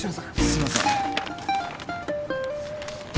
すいません。